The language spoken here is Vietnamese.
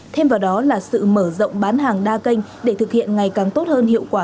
thêm vào đó là sự mở rộng bán hàng đa kênh để thực hiện ngày càng tốt hơn hiệu quả